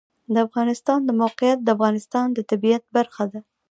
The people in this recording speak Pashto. د افغانستان د موقعیت د افغانستان د طبیعت برخه ده.